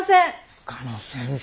深野先生